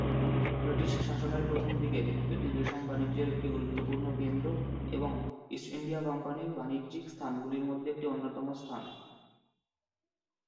British শাসনের প্রথম দিকে এটি রেশম বাণিজ্যের একটি গুরুত্বপূর্ণ কেন্দ্র এবং ইস্ট ইন্ডিয়া কোম্পানির বাণিজ্যিক স্থানগুলির মধ্যে একটি অন্যতম স্থান।